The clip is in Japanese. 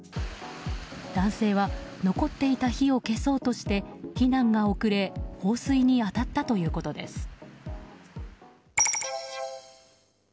男性は残っていた火を消そうとして避難が遅れ放水に当たったということです。